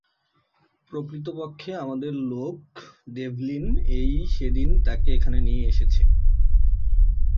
প্রকৃতপক্ষে, আমাদের লোক ডেভলিন এই সেদিন তাকে এখানে নিয়ে এসেছে।